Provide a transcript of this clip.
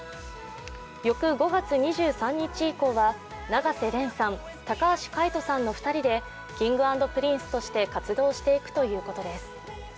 翌５月２３日以降は、永瀬廉さん、高橋海人さんの２人でＫｉｎｇ＆Ｐｒｉｎｃｅとして活動していくということです。